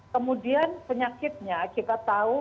kemudian penyakitnya kita tahu